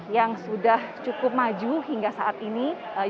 yang sudah cukup maju hingga saat ini